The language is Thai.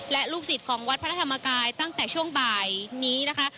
และลูกศิษย์ของวัดพระธรรมกายตั้งแต่ช่วงบ่ายนี้นะคะ